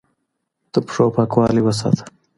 د پښو پاکوالی وساته